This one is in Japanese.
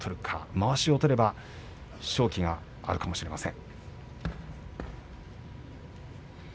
まわしを取れば勝機があるかもしれません。